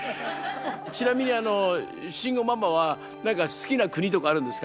ちなみにあの慎吾ママは何か好きな国とかあるんですか？